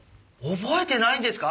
覚えてないんですか？